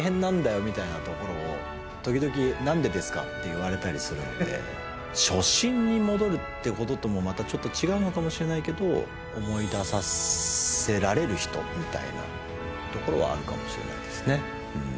言われたりするんで初心に戻るってことともまたちょっと違うのかもしれないけど思い出させられる人みたいなところはあるかもしれないですね